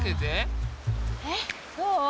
えっどう？